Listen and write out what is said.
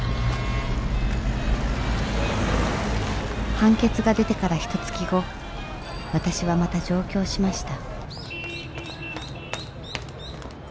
判決が出てからひとつき後私はまた上京しました